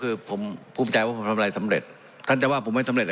เพราะมันก็มีเท่านี้นะเพราะมันก็มีเท่านี้นะ